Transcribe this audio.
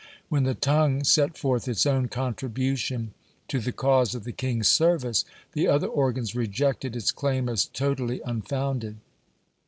When the tongue set forth its own contribution to the cause of the king's service, the other organs rejected its claim as totally unfounded.